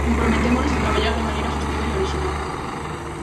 Comprometémonos a traballar de maneira sostíbel e orixinal.